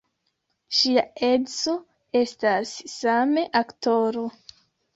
Ŝia edzo estas same aktoro.